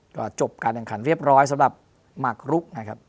ก็จบการแข่งขันเรียบร้อยสำหรับหมากรุกนะครับ